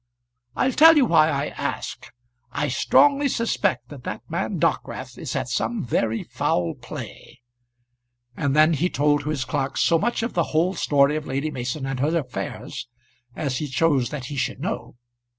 "I'll tell you why I ask. I strongly suspect that that man Dockwrath is at some very foul play." And then he told to his clerk so much of the whole story of Lady Mason and her affairs as he chose that he should know.